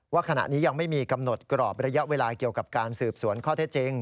ว่าขณะนี้ยังไม่มีกำหนดกรอบระยะเวลาเกี่ยวกับการสืบสวนข้อเท็จจริง